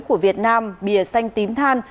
của việt nam bìa xanh tím than